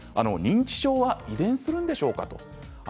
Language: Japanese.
認知症は遺伝するんでしょうか？